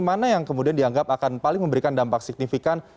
mana yang kemudian dianggap akan paling memberikan dampak signifikan